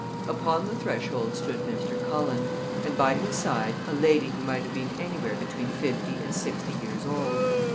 Upon the threshold stood Mr. Cullen, and by his side a lady who might have been anywhere between fifty and sixty years old.